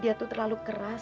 dia tuh terlalu keras